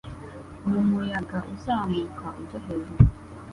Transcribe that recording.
Mu muyaga uzamuka ujya hejuru